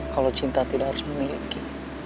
kalau cinta tidak harus memiliki